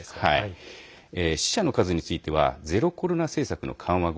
死者の数についてはゼロコロナ政策の緩和後